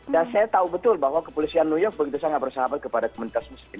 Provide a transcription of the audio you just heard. dan saya tahu betul bahwa kepolisian new york begitu sangat bersahabat kepada kementerian muslim